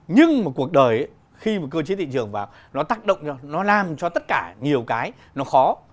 nhưng mà cuộc đời khi mà cơ chế thị trường vào nó tác động cho nó làm cho tất cả nhiều cái nó khó